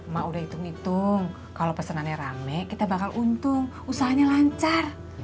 mak udah hitung hitung kalau pesanannya rame kita bakal untung usahanya lancar